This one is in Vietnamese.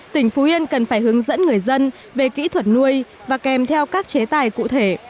tỉnh phú yên cần phải hướng dẫn người dân về kỹ thuật nuôi và kèm theo các chế tài cụ thể